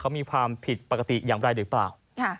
เขามีความผิดปกติอย่างไรหรือเปล่า